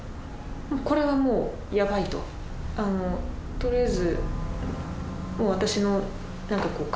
取りあえず。